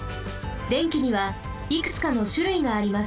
電気にはいくつかのしゅるいがあります。